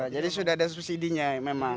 jadi sudah ada subsidi nya memang